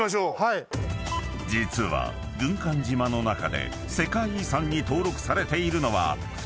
［実は軍艦島の中で世界遺産に登録されているのは２つ］